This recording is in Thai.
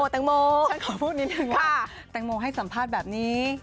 แตงโมฉันขอพูดนิดนึงว่าแตงโมให้สัมภาษณ์แบบนี้